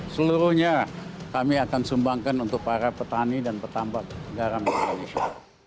seluruhnya kami akan sumbangkan untuk para petani dan petambak garam di indonesia